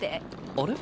あれ？